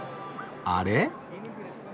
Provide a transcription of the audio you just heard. あれ？